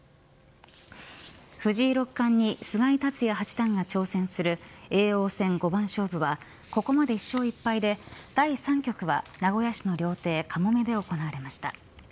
藤井六冠に菅井竜也八段が挑戦する叡王戦５番勝負はここまで１勝１敗で、第３局は名古屋市の料亭か茂免でおこなれました。